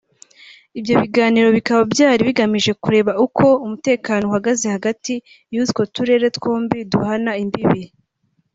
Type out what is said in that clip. Ibyo biganiro bikaba byari bigamije kureba uko umutekano uhagaze hagati y’utwo turere twombi duhana imbibi